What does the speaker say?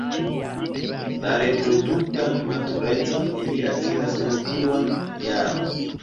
La reproduktan maturecon ili atingas la duan jaron.